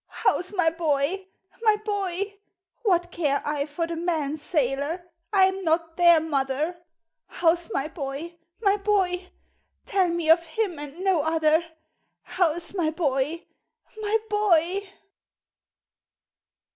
"How's my boy — my boy? What care I for the men, sailor? I an not their mother — How 's my boy — my boy? Tell me of him and no other! How 's my bov — my boy?